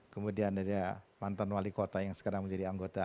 kemudian ada mantan wali kota yang sekarang menjadi anggota